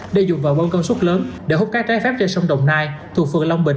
đe dụng vào bông công sốt lớn để hút cá trái phép trên sông đồng nai thuộc phường long bình